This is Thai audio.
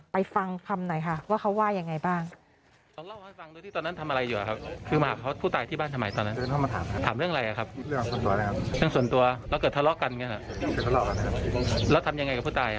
ไปฟังคำหน่อยค่ะว่าเขาว่ายังไงบ้าง